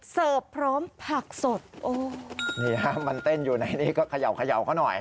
เสิร์ฟพร้อมผักสดโอ้นี่ฮะมันเต้นอยู่ในนี้ก็เขย่าเขาหน่อย